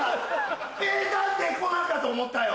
名探偵コナンかと思ったよ。